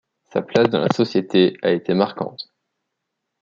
Sa place dans la société a été marquante.